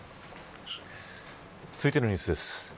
続いてのニュースです。